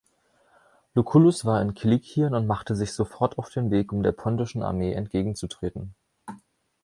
Lucullus war in Kilikien und machte sich sofort auf den Weg, um der pontischen Armee entgegenzutreten.